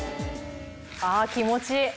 あ気持ちいい。